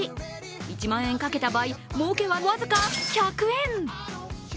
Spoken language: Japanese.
１万円かけた場合、儲けは僅か１００円。